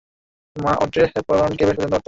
মা অড্রে হ্যাপবার্নকে বেশ পছন্দ করত!